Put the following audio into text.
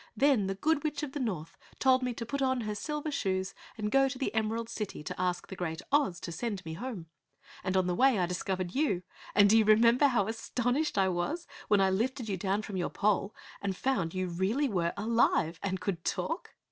Then, the Good Witch of the North told me to put on her silver shoes and go to the Emerald City to ask the great OZ to send me home. And on the way I discovered you, and do you remember how astonished I was when I lifted you down from your pole and found you really were alive and could talk?"